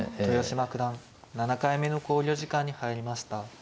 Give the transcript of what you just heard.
豊島九段７回目の考慮時間に入りました。